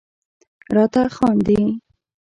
راته خاندي..